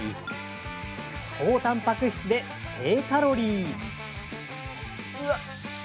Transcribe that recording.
高たんぱく質で低カロリー。